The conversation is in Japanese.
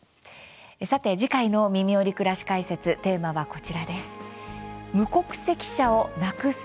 さて次回の「みみより！くらし解説」テーマはこちらです。